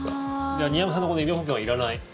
じゃあ新山さんのこの医療保険はいらない。